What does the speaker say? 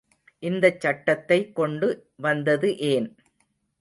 இந்த சட்டத்தைக் கொண்டு வந்தது ஏன்?